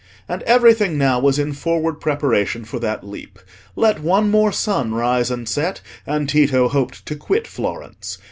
And everything now was in forward preparation for that leap: let one more sun rise and set, and Tito hoped to quit Florence.